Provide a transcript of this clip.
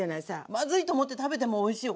まずいと思って食べてもおいしいよ